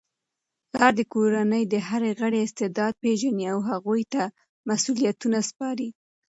پلار د کورنی د هر غړي استعداد پیژني او هغوی ته مسؤلیتونه سپاري.